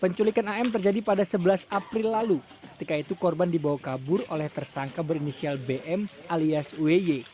penculikan am terjadi pada sebelas april lalu ketika itu korban dibawa kabur oleh tersangka berinisial bm alias wy